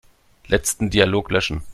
Letzten Dialog löschen.